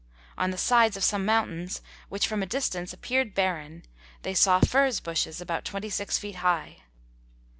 On the sides of some mountains which from a distance appeared barren they saw furze bushes about twenty six feet high.